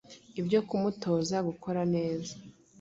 Ibyo kumutoza gukora neza.